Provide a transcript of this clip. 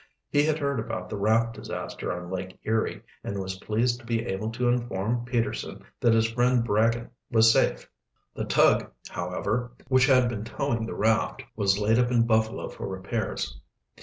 He had heard about the raft disaster on Lake Erie, and was pleased to be able to inform Peterson that his friend Bragin was safe. The tug, however, which had been towing the raft, was laid up in Buffalo for repairs.